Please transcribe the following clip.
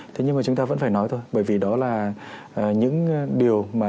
thế nhưng mà chúng ta vẫn phải nói thôi bởi vì đó là những điều mà